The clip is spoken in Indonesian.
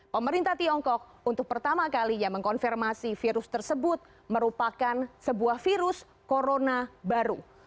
pemerintah tiongkok untuk pertama kalinya mengkonfirmasi virus tersebut merupakan sebuah virus corona baru